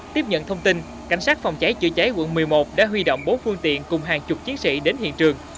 tiếp nhận thông tin cảnh sát phòng cháy chữa cháy quận một mươi một đã huy động bốn phương tiện cùng hàng chục chiến sĩ đến hiện trường